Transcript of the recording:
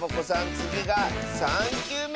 つぎが３きゅうめ！